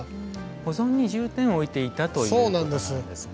保存に重点をおいていたということなんですね。